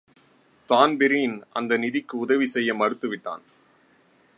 Dan Breen அந்த நிதிக்கு உதவி செய்ய மறுத்து விட்டான்.